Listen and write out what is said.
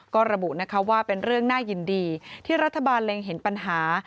ก็ระบุนะคะว่าเป็นเรื่องน่ายินดีที่รัฐบาลเล็งเห็นปัญหา